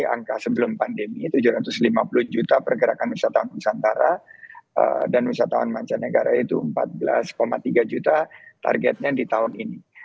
jadi angka sebelum pandemi tujuh ratus lima puluh juta pergerakan wisatawan nusantara dan wisatawan mancanegara itu empat belas tiga juta targetnya di tahun ini